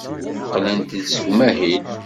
Qqlen-d seg umahil.